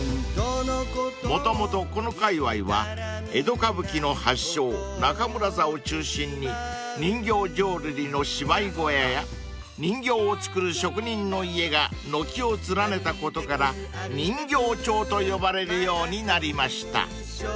［もともとこのかいわいは江戸歌舞伎の発祥中村座を中心に人形浄瑠璃の芝居小屋や人形を作る職人の家が軒を連ねたことから人形町と呼ばれるようになりました］